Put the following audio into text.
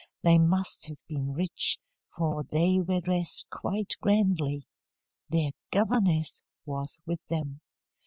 They must have been rich, for they were dressed quite grandly. Their governess was with them.